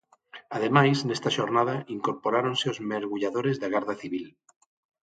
Ademais, nesta xornada incorporáronse os mergulladores da Garda Civil.